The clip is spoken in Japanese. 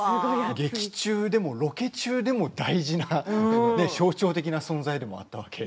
劇中でもロケ中でも大事な象徴的な存在だったんですね。